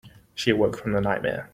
She awoke from the nightmare.